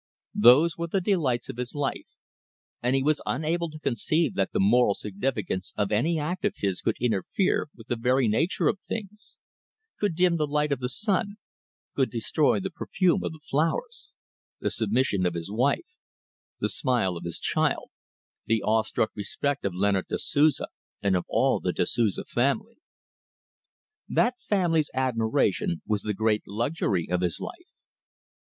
Those were the delights of his life, and he was unable to conceive that the moral significance of any act of his could interfere with the very nature of things, could dim the light of the sun, could destroy the perfume of the flowers, the submission of his wife, the smile of his child, the awe struck respect of Leonard da Souza and of all the Da Souza family. That family's admiration was the great luxury of his life.